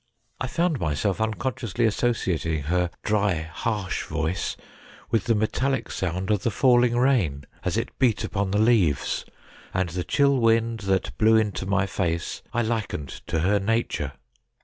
I found myself unconsciously associating her dry, harsh voice with the metallic sound of the falling rain as it beat upon the leaves, and the chill wind that blew into my face I likened to her nature.